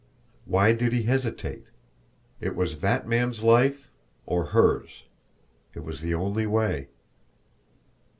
Why did he hesitate? It was that man's life or hers! It was the only way!